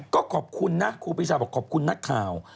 ก็ขอบคุณนะครูปีชาบอกขอบคุณนักข่าว